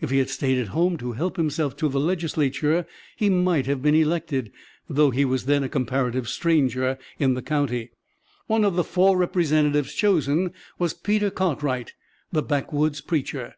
If he had stayed at home to help himself to the Legislature he might have been elected, though he was then a comparative stranger in the county. One of the four representatives chosen was Peter Cartwright, the backwoods preacher.